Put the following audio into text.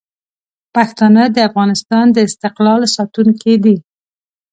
پښتانه د افغانستان د استقلال ساتونکي دي.